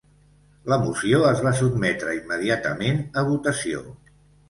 La moció es va sotmetre immediatament a votació.